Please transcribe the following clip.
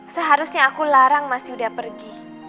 seharusnya aku larang mas yuda pergi